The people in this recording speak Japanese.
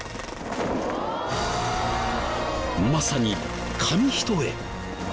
まさに紙一重。